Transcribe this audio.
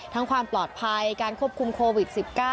ความปลอดภัยการควบคุมโควิด๑๙